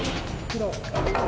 黒。